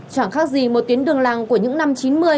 chẳng khác gì một tuyến đường làng của những năm chín mươi